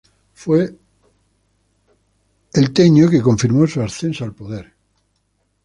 Fue el tennō que confirmó su ascenso al poder.